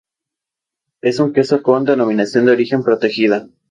Es un queso con denominación de origen protegida.